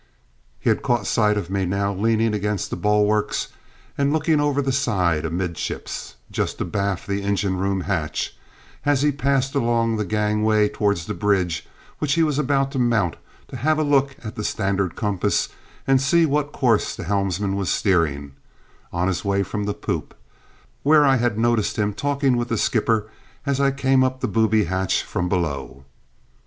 He had caught sight of me now leaning against the bulwarks and looking over the side amidships, just abaft the engine room hatch, as he passed along the gangway towards the bridge which he was about to mount to have a look at the standard compass and see what course the helmsman was steering, on his way from the poop, where I had noticed him talking with the skipper as I came up the booby hatch from below.